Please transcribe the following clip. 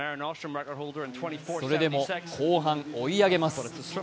それでも後半、追い上げます。